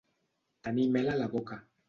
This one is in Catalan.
Tenir mel a la boca.